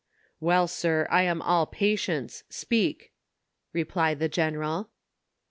"Well, sir, I am all patience, speak," replied the gen eral.